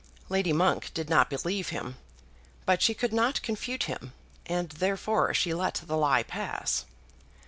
Lady Monk did not believe him; but she could not confute him, and therefore she let the lie pass.